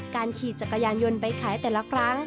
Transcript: การขี่จักรยานยนต์ใบไขแต่ละครั้ง